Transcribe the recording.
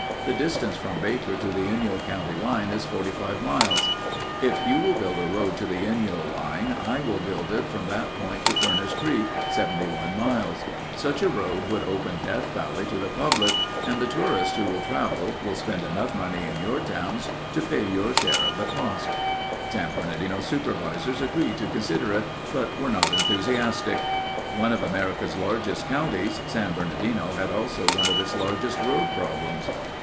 The distance from Baker to the Inyo county line is 45 miles. If you will build the road to the Inyo line, I will build it from that point to Furnace Creek, 71 miles. Such a road would open Death Valley to the public and the tourists who will travel will spend enough money in your towns to pay your share of the cost." San Bernardino supervisors agreed to consider it but were not enthusiastic. One of America's largest counties, San Bernardino had also one of its largest road problems.